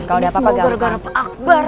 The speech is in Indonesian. bu ini semua gara gara pak akbar